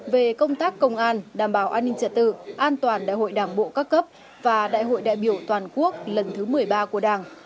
về công tác công an đảm bảo an ninh trật tự an toàn đại hội đảng bộ các cấp và đại hội đại biểu toàn quốc lần thứ một mươi ba của đảng